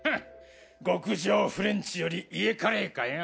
極上フレンチより家カレーかよ。